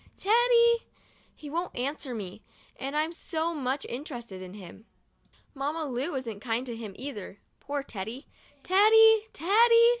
Teddy! He won't answer me — and I'm so much interested in him. Mamma Lu isn't kind to him either — poor Teddy. Teddy! Teddy!